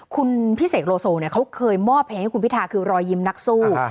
คุณพี่เสกโลโซเนี่ยเขาเคยมอบเพลงให้คุณพิทาคือรอยยิ้มนักสู้